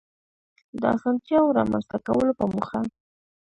د آسانتیاوو رامنځته کولو په موخه